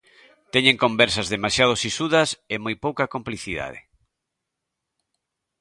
Teñen conversas demasiado sisudas e moi pouca complicidade.